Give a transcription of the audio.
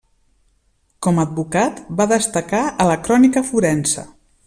Com a advocat, va destacar a la crònica forense.